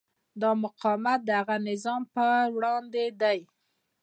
دا مقاومت د هغه نظام پر وړاندې دی.